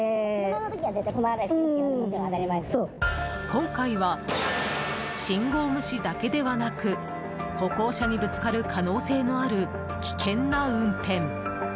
今回は信号無視だけではなく歩行者にぶつかる可能性のある危険な運転。